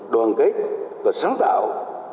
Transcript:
đoàn kết và sáng tạo